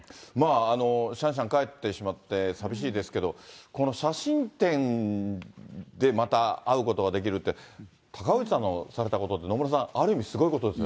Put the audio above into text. シャンシャン帰ってしまって寂しいですけど、この写真展でまた会うことができるって、高氏さんのされたことって、野村さん、ある意味すごいことですね。